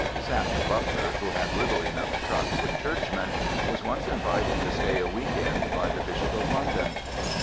Samuel Butler, who had little enough truck with churchmen, was once invited to stay a week end by the Bishop of London.